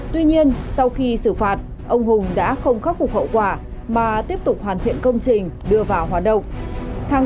tuy nhiên sau khi xử phạt ông hùng đã không khắc phục hậu quả mà tiếp tục hoàn thiện công trình đưa vào hoạt động